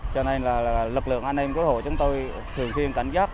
cho nên là lực lượng an ninh cứu hộ chúng tôi thường xuyên cảnh giác